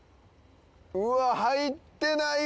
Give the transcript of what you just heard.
うわっ入ってないわ。